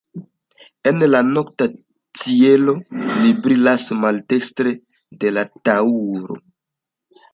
En la nokta ĉielo li brilas maldekstre de la Taŭro.